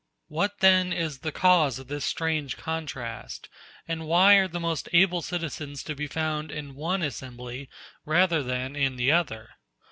What then is the cause of this strange contrast, and why are the most able citizens to be found in one assembly rather than in the other?